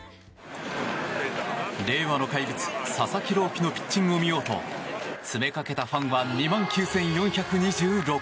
令和の怪物、佐々木朗希のピッチングを見ようと詰めかけたファンは２万９４２６人。